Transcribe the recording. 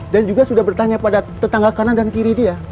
dan juga sudah bertanya pada tetangga kanan dan kiri dia